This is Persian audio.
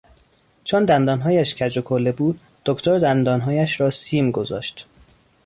چون دندانهایش کج و کوله بود دکتر دندانهایش را سیم گذاشت.